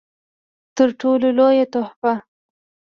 تر ټولو لويه تحفه